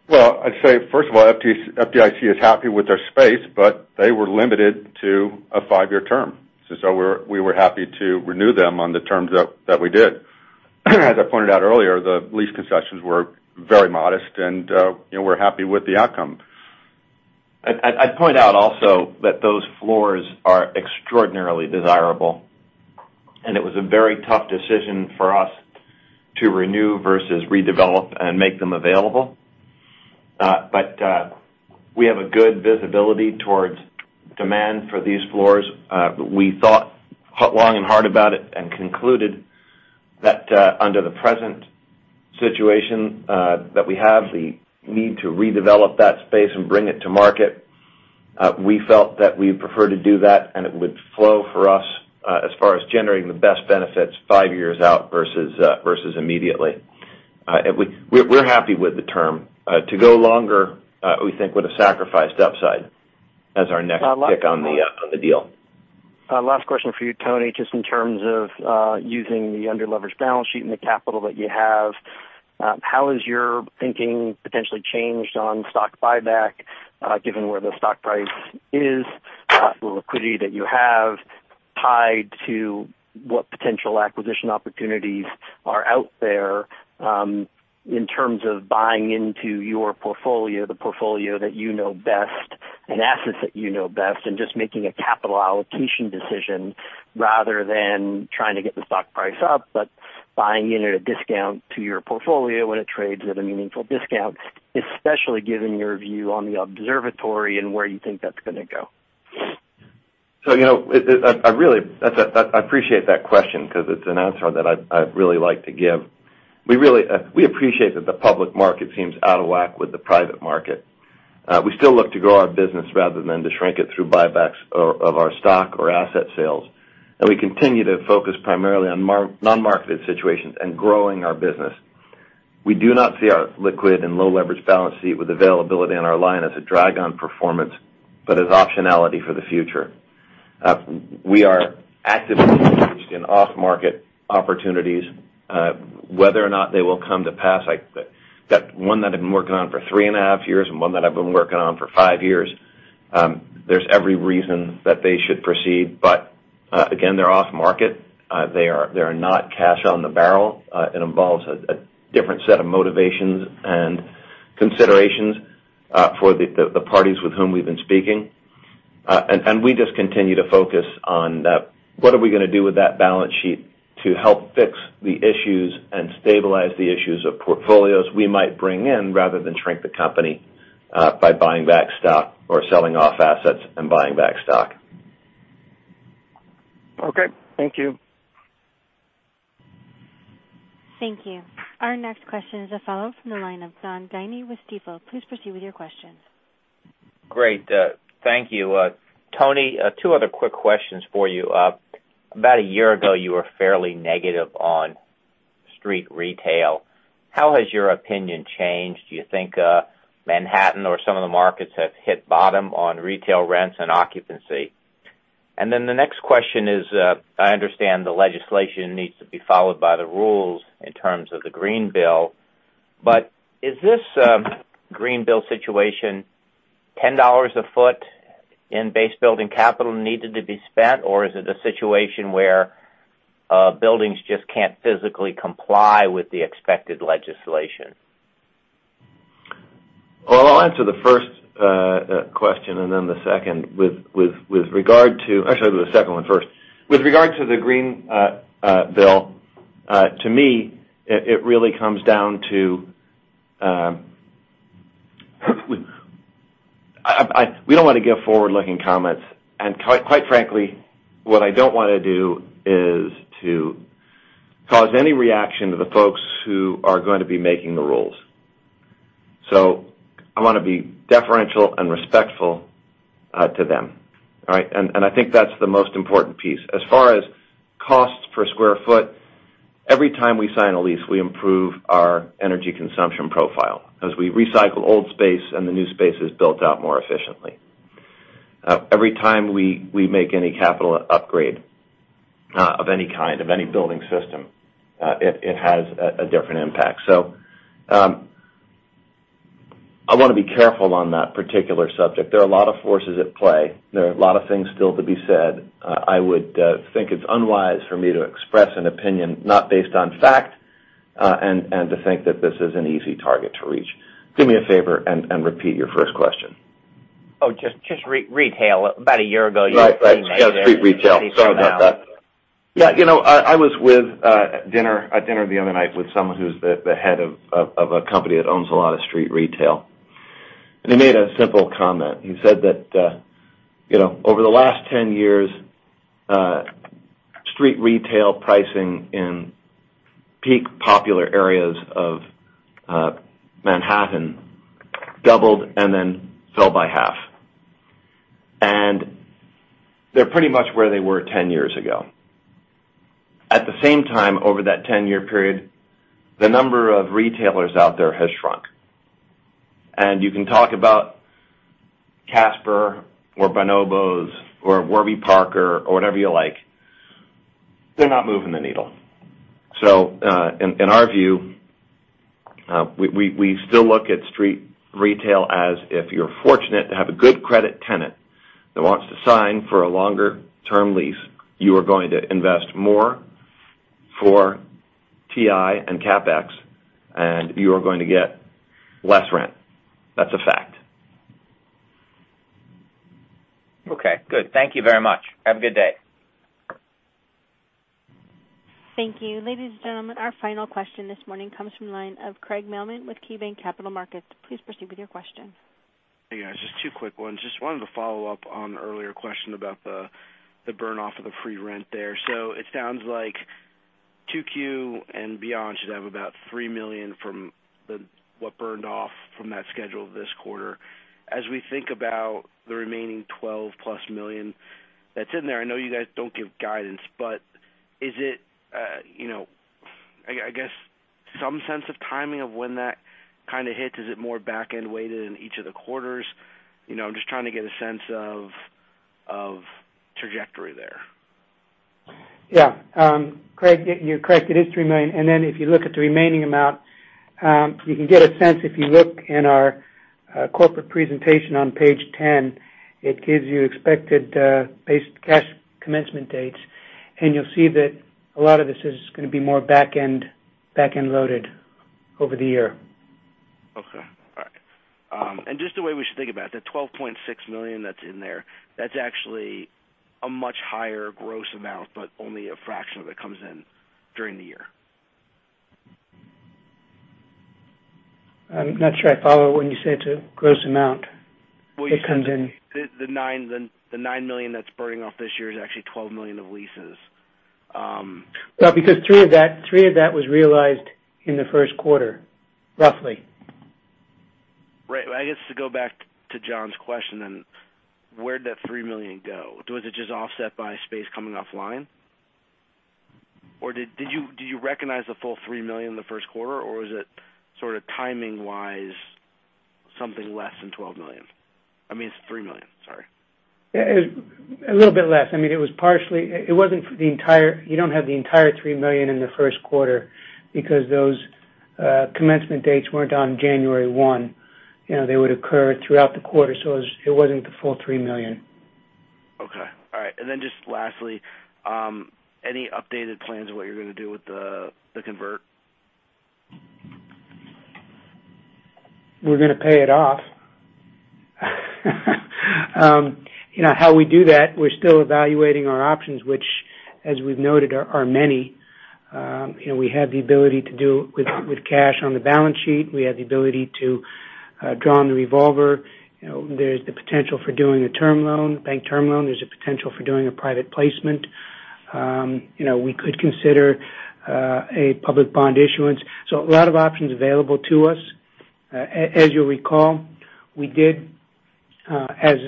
I'd say first of all, FDIC is happy with their space, but they were limited to a five-year term. We were happy to renew them on the terms that we did. As I pointed out earlier, the lease concessions were very modest, and we're happy with the outcome. I'd point out also that those floors are extraordinarily desirable, and it was a very tough decision for us to renew versus redevelop and make them available. We have a good visibility towards demand for these floors. We thought long and hard about it and concluded that under the present situation that we have, the need to redevelop that space and bring it to market, we felt that we would prefer to do that, and it would flow for us as far as generating the best benefits five years out versus immediately. We're happy with the term. To go longer, we think, would have sacrificed upside as our next pick on the deal. Last question for you, Tony, just in terms of using the under-leveraged balance sheet and the capital that you have, how has your thinking potentially changed on stock buyback, given where the stock price is, the liquidity that you have, tied to what potential acquisition opportunities are out there in terms of buying into your portfolio, the portfolio that you know best, and assets that you know best, and just making a capital allocation decision rather than trying to get the stock price up, but buying in at a discount to your portfolio when it trades at a meaningful discount, especially given your view on the observatory and where you think that's going to go? I appreciate that question because it's an answer that I really like to give. We appreciate that the public market seems out of whack with the private market. We still look to grow our business rather than to shrink it through buybacks of our stock or asset sales. We continue to focus primarily on non-marketed situations and growing our business. We do not see our liquid and low-leveraged balance sheet with availability on our line as a drag on performance, but as optionality for the future. We are actively engaged in off-market opportunities. Whether or not they will come to pass, one that I've been working on for three and a half years and one that I've been working on for five years, there's every reason that they should proceed. Again, they're off market. They are not cash on the barrel. It involves a different set of motivations and considerations for the parties with whom we've been speaking. We just continue to focus on what are we going to do with that balance sheet to help fix the issues and stabilize the issues of portfolios we might bring in rather than shrink the company by buying back stock or selling off assets and buying back stock. Okay. Thank you. Thank you. Our next question is a follow from the line of John Guinee with Stifel. Please proceed with your question. Great. Thank you. Tony, two other quick questions for you. About a year ago, you were fairly negative on street retail. How has your opinion changed? Do you think Manhattan or some of the markets have hit bottom on retail rents and occupancy? The next question is, I understand the legislation needs to be followed by the rules in terms of the green bill. Is this green bill situation $10 a foot in base building capital needed to be spent, or is it a situation where buildings just can't physically comply with the expected legislation? Well, I'll answer the first question and then the second. With regard to Actually, I'll do the second one first. With regard to the green bill, to me, it really comes down to, we don't want to give forward-looking comments. Quite frankly, what I don't want to do is to cause any reaction to the folks who are going to be making the rules. I want to be deferential and respectful to them. All right? I think that's the most important piece. As far as costs per square foot, every time we sign a lease, we improve our energy consumption profile, as we recycle old space and the new space is built out more efficiently. Every time we make any capital upgrade of any kind, of any building system, it has a different impact. I want to be careful on that particular subject. There are a lot of forces at play. There are a lot of things still to be said. I would think it's unwise for me to express an opinion not based on fact, and to think that this is an easy target to reach. Do me a favor and repeat your first question. Oh, just retail. About a year ago, you. Right. Yeah, street retail. Sorry about that. Yeah, I was at dinner the other night with someone who's the head of a company that owns a lot of street retail, he made a simple comment. He said that over the last 10 years, street retail pricing in peak popular areas of Manhattan doubled and then fell by half. They're pretty much where they were 10 years ago. At the same time, over that 10-year period, the number of retailers out there has shrunk. You can talk about Casper or Bonobos or Warby Parker or whatever you like. They're not moving the needle. In our view, we still look at street retail as if you're fortunate to have a good credit tenant that wants to sign for a longer-term lease, you are going to invest more for TI and CapEx, you are going to get less rent. That's a fact. Good. Thank you very much. Have a good day. Thank you. Ladies and gentlemen, our final question this morning comes from the line of Craig Mailman with KeyBanc Capital Markets. Please proceed with your question. Hey, guys. Just two quick ones. Just wanted to follow up on the earlier question about the burn-off of the free rent there. It sounds like 2Q and beyond should have about $3 million from what burned off from that schedule this quarter. As we think about the remaining $12-plus million that's in there, I know you guys don't give guidance, but is it, I guess, some sense of timing of when that kind of hits? Is it more back-end weighted in each of the quarters? I'm just trying to get a sense of trajectory there. Yeah. Craig, you're correct. It is $3 million. Then if you look at the remaining amount, you can get a sense if you look in our corporate presentation on page 10, it gives you expected base cash commencement dates, and you'll see that a lot of this is going to be more back-end loaded over the year. Okay. All right. Just the way we should think about the $12.6 million that's in there, that's actually a much higher gross amount, but only a fraction of it comes in during the year. I'm not sure I follow when you say it's a gross amount that comes in. The $9 million that's burning off this year is actually $12 million of leases. Well, because three of that was realized in the first quarter, roughly. Right. I guess to go back to John's question then, where'd that $3 million go? Was it just offset by space coming offline? Did you recognize the full $3 million in the first quarter, or was it sort of timing-wise, something less than $12 million? I mean, $3 million, sorry. A little bit less. You don't have the entire $3 million in the first quarter because those commencement dates weren't on January 1. They would occur throughout the quarter, it wasn't the full $3 million. Then just lastly, any updated plans on what you're going to do with the convert? We're going to pay it off. How we do that, we're still evaluating our options, which, as we've noted, are many. We have the ability to do it with cash on the balance sheet. We have the ability to draw on the revolver. There's the potential for doing a bank term loan. There's a potential for doing a private placement. We could consider a public bond issuance. A lot of options available to us. As you'll recall, we did, as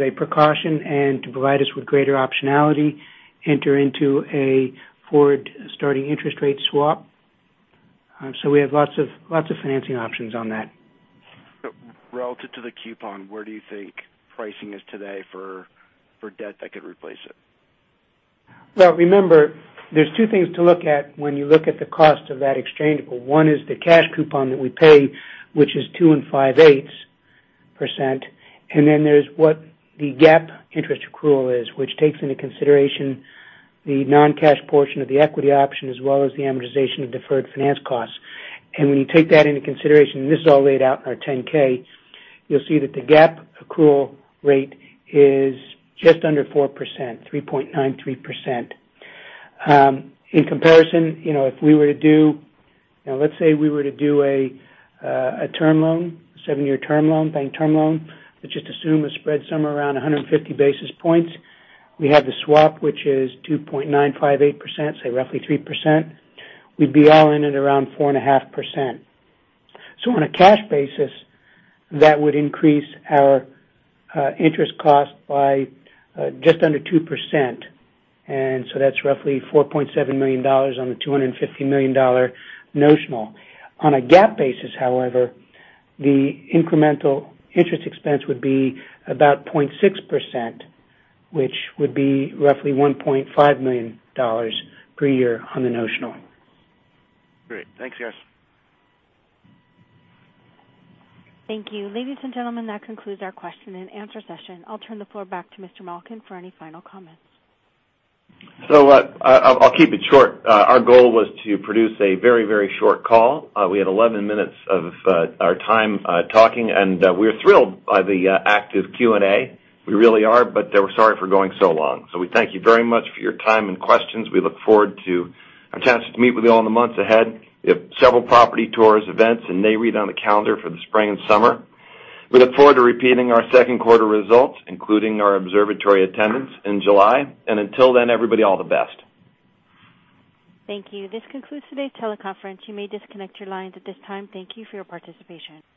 a precaution and to provide us with greater optionality, enter into a forward starting interest rate swap. We have lots of financing options on that. Relative to the coupon, where do you think pricing is today for debt that could replace it? Remember, there's two things to look at when you look at the cost of that exchangeable. One is the cash coupon that we pay, which is 2.625%, and then there's what the GAAP interest accrual is, which takes into consideration the non-cash portion of the equity option as well as the amortization of deferred finance costs. When you take that into consideration, and this is all laid out in our 10-K, you'll see that the GAAP accrual rate is just under 4%, 3.93%. In comparison, let's say we were to do a term loan, seven-year bank term loan. Let's just assume a spread somewhere around 150 basis points. We have the swap, which is 2.958%, say roughly 3%. We'd be all in at around 4.5%. On a cash basis, that would increase our interest cost by just under 2%. That's roughly $4.7 million on the $250 million notional. On a GAAP basis, however, the incremental interest expense would be about 0.6%, which would be roughly $1.5 million per year on the notional. Great. Thanks, guys. Thank you. Ladies and gentlemen, that concludes our question and answer session. I'll turn the floor back to Mr. Malkin for any final comments. I'll keep it short. Our goal was to produce a very short call. We had 11 minutes of our time talking, we are thrilled by the active Q&A. We really are, we're sorry for going so long. We thank you very much for your time and questions. We look forward to a chance to meet with you all in the months ahead. We have several property tours, events in May read on the calendar for the spring and summer. We look forward to repeating our second quarter results, including our observatory attendance in July. Until then, everybody, all the best. Thank you. This concludes today's teleconference. You may disconnect your lines at this time. Thank you for your participation.